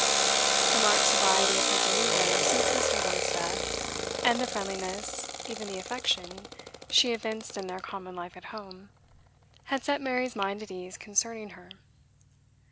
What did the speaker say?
The marked sobriety of her demeanour since Mr. Lord's death, and the friendliness, even the affection, she evinced in their common life at home, had set Mary's mind at ease concerning her.